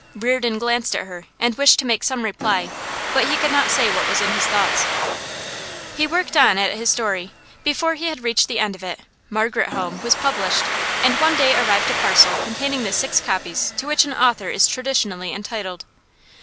Reardon glanced at her, and wished to make some reply, but he could not say what was in his thoughts. He worked on at his story. Before he had reached the end of it, 'Margaret Home' was published, and one day arrived a parcel containing the six copies to which an author is traditionally entitled.